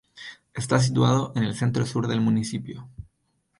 Está situado en el centro-sur del municipio.